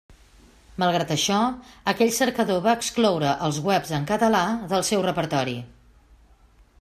Malgrat això aquell cercador va excloure els webs en català del seu repertori.